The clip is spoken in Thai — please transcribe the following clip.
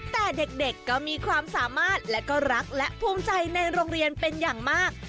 แต่เด็กก็มีความสามารถและก็รักและภูมิใจในโรงเรียนเป็นอย่างมาก